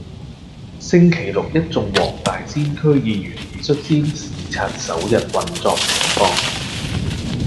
星期六一眾黃大仙區議員已率先視察首日運作情況